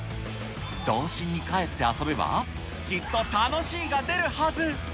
童心に帰って遊べば、きっと楽しいが出るはず。